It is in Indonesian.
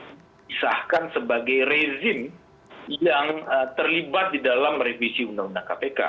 yang bisa kita lupakan sebagai rezim yang terlibat di dalam revisi undang undang kpk